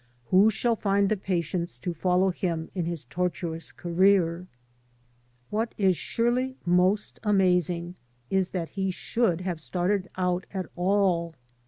Who shall find the patience to follow him in his tortuous career? What is surely most amazing is that he should have started out at all.